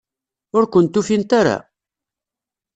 Ur kent-ufint ara?